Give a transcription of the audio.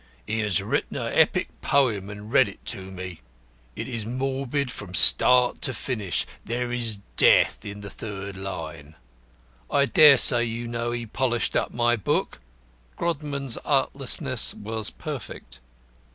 He has written an Epic Poem and read it to me. It is morbid from start to finish. There is 'death' in the third line. I dare say you know he polished up my book?" Grodman's artlessness was perfect.